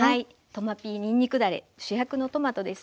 トマピーにんにくだれ主役のトマトですね。